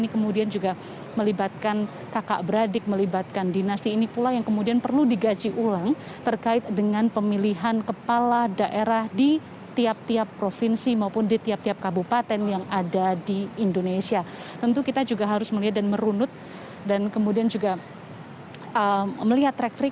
kami mendapat informasi bahwa hingga saat ini adeyasin masih merupakan ketua dewan pimpinan wilayah p tiga di jawa barat sedangkan untuk ketua dpc masih diduduki oleh eli raffi